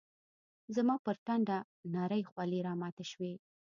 زما پر ټنډه نرۍ خولې راماتي شوې